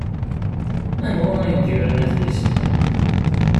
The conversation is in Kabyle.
Anwa ay d-yuran adlis-nni?